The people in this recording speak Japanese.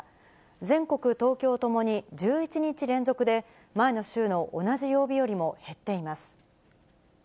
全国、東京ともに１１日連続で、前の週の同じ曜日よりも減っています。